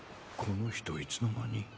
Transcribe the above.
この人いつの間に。